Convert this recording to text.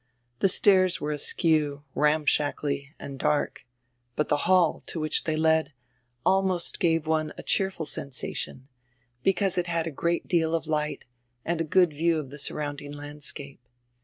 The stairs were askew, ramshackly, and dark; but die hall, to which diey led, almost gave one a cheerful sensation, because it had a great deal of light and a good view of die surround ing landscape.